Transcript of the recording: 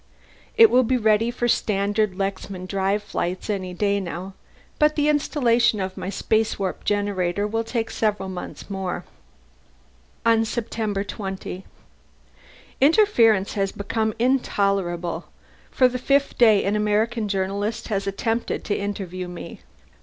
It will be ready for standard Lexman drive flights any day now, but installation of my spacewarp generator will take several more months." On September 20: "Interference has become intolerable. For the fifth day an American journalist has attempted to interview me.